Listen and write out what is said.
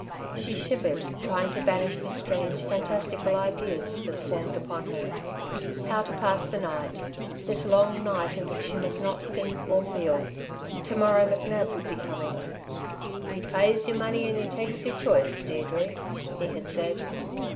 She shivered, trying to banish the strange, fantastical ideas that swarmed upon her. How to pass the night this long night in which she must not think, or feel. To morrow McNab would be coming. "You pays y'r money and you takes y'r choice, Deirdre," he had said.